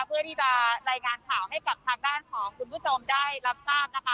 เพื่อที่จะรายงานข่าวให้กับทางด้านของคุณผู้ชมได้รับทราบนะคะ